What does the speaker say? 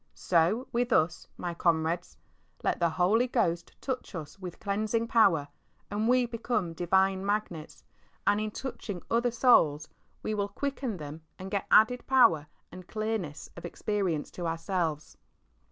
So with us, my comrades. Let the Holy Ghost touch us with cleansing power, and we become divine Magnets, and in touching other souls we will quicken them and get added power and clearness of experience to ourselves.